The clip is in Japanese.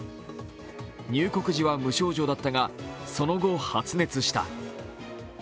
入国時は無症状だったがその後、発熱した。